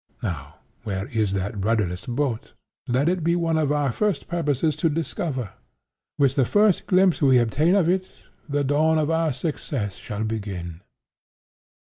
Now where is that rudderless boat? Let it be one of our first purposes to discover. With the first glimpse we obtain of it, the dawn of our success shall begin.